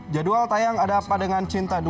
jadwal tayang ada apa dengan cinta dua